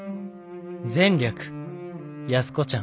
「前略安子ちゃん。